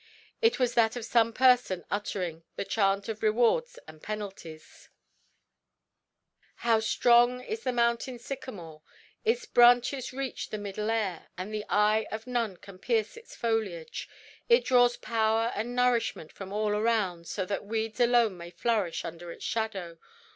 It was that of some person uttering the "Chant of Rewards and Penalties": "How strong is the mountain sycamore! "Its branches reach the Middle Air, and the eye of none can pierce its foliage; "It draws power and nourishment from all around, so that weeds alone may flourish under its shadow.